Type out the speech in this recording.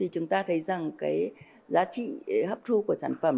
chúng ta thấy rằng cái giá trị hấp thu của sản phẩm